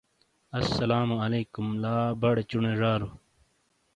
السّلام علیکم ! لا بڑے چُنے زارو!